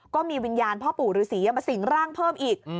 ก็มีวิญญาณพ่อปู่ฤษีมาสิ่งร่างเพิ่มอีก